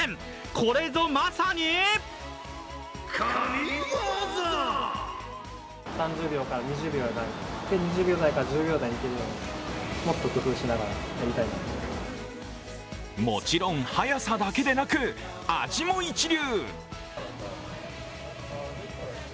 これぞまさにもちろん、早さだけでなく味も一流。